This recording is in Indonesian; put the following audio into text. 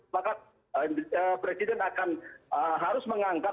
maka presiden akan harus mengangkat